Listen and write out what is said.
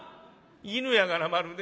犬やがなまるで。